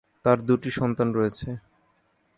তার দুটি সন্তান রয়েছে।